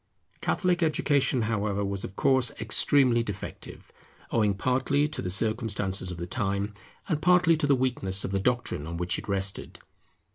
Catholic education, however, was of course, extremely defective; owing partly to the circumstances of the time, and partly to the weakness of the doctrine on which it rested.